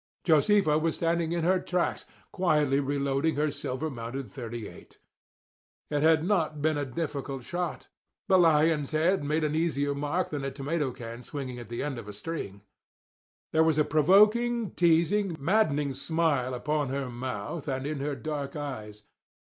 Josefa was standing in her tracks, quietly reloading her silver mounted .38. It had not been a difficult shot. The lion's head made an easier mark than a tomato can swinging at the end of a string. There was a provoking, teasing, maddening smile upon her mouth and in her dark eyes.